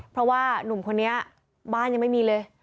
เพราะว่าหนุ่มคนนี้บ้านยังไม่มีเลย